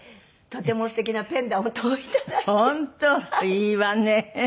いいわね！